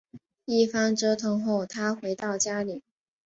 一番折腾后她回到家里